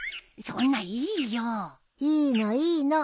そんないいよ。いいの。いいの。